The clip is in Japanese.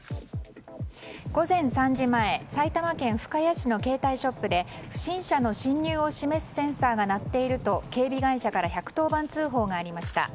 午前３時前、埼玉県深谷市の携帯ショップで不審者の侵入を示すセンサーが鳴っていると警備会社から１１０番通報がありました。